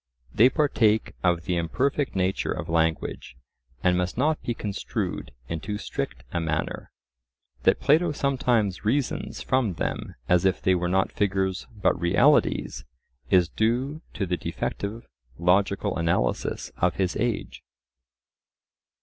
They partake of the imperfect nature of language, and must not be construed in too strict a manner. That Plato sometimes reasons from them as if they were not figures but realities, is due to the defective logical analysis of his age.